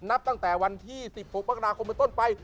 นับตั้งแต่วันที่๑๖มกราคมเป็นต้นไป